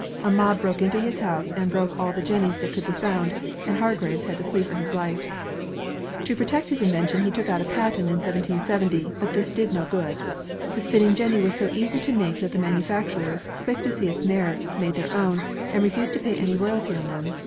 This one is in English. A mob broke into his house and broke all the jennies that could be found, and Hargreaves had to flee for his life. To protect his invention, he took out a patent in 1770, but this did no good. The spinning jenny was so easy to make that the manufacturers, quick to see its merits, made their own, and refused to pay any royalty on them.